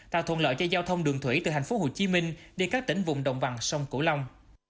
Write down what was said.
tàu thuận lợi cho giao thông đường thủy từ hành phố hồ chí minh đi các tỉnh vùng đồng vằn sông cửu long